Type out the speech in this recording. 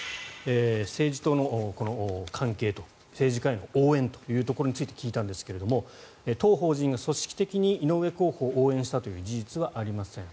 政治との関係政治家への応援について聞いたんですが当法人が組織的に井上候補を応援したという事実はありません